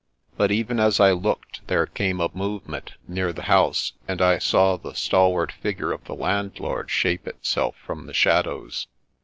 But even as I looked, there came a movement near the house, and I saw the stalwart figure of the landlord shape itself from the shadows.